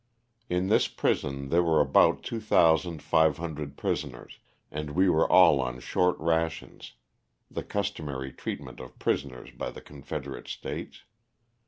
In this prison there were about 2,500 prisoners, and we were all on short rations, the customary treatment of pris oners by the Confederate States.